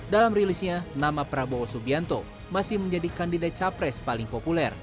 dalam rilisnya nama prabowo subianto masih menjadi kandidat capres paling populer